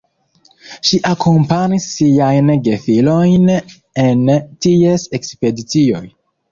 Ŝi akompanis siajn gefilojn en ties ekspedicioj.